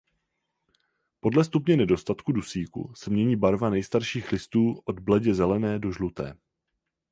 Podle stupně nedostatku dusíku se mění barva nejstarších listů od bledě zelené do žluté.